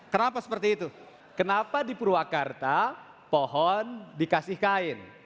karena di purwakarta pohon dikasih kain